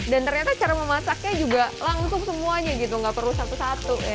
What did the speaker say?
dan ternyata cara memasaknya juga langsung semuanya gitu nggak perlu satu satu ya